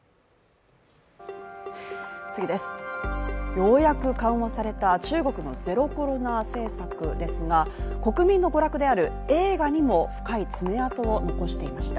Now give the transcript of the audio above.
ようやく緩和された中国のゼロコロナ政策ですが、国民の娯楽である映画にも深い爪痕を残していました。